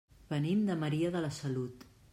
Venim de Maria de la Salut.